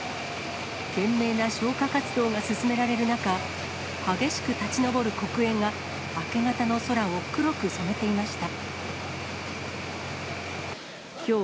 懸命な消火活動が進められる中、激しく立ち上る黒煙が、明け方の空を黒く染めていました。